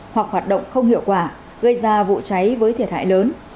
hoặc hoạt động không hiệu quả gây ra vụ cháy với thiệt hại lớn